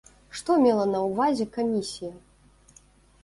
Што мела на ўвазе камісія?